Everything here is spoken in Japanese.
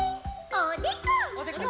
おでこ！